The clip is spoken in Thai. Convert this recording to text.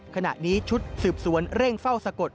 ขณะนี้ชุดสืบสวนเร่งเฝ้าสะกด